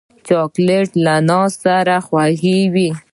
چاکلېټ له ناز سره خورېږي.